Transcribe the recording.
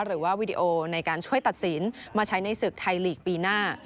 วีดีโอในการช่วยตัดสินมาใช้ในศึกไทยลีกปีหน้า